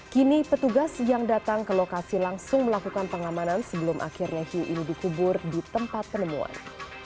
kini petugas yang datang ke lokasi langsung melakukan pengamanan sebelum akhirnya hiu ini dikubur di tempat penemuan